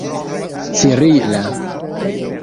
cirila